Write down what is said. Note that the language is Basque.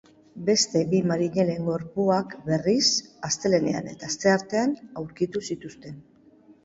Beste bi marinelen gorpuak, berriz, astelehenean eta asteartean aurkitu zituzten.